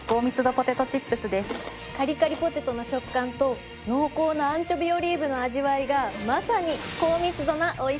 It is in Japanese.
カリカリポテトの食感と濃厚なアンチョビオリーブの味わいがまさに高密度なおいしさですね！